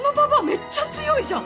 めっちゃ強いじゃん。